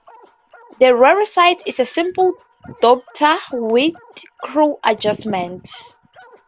The rear sight is a simple diopter with screw adjustment.